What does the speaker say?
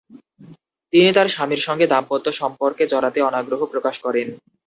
তিনি তাঁর স্বামীর সঙ্গে দাম্পত্য সম্পর্কে জড়াতে অনাগ্রহ প্রকাশ করেন।